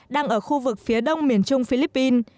đang ở khu vực phía đông miền trung philippines